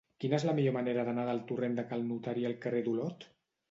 Quina és la millor manera d'anar del torrent de Cal Notari al carrer d'Olot?